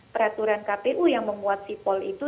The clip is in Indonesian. peraturan kpu yang menguat sipol itu